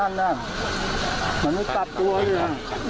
มันไม่กลับตัวเลยนะ